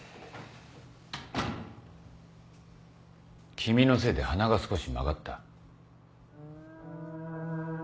君のせいで鼻が少し曲がった。